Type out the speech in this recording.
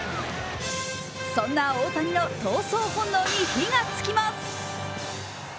そんな大谷の盗走本能に火がつきます。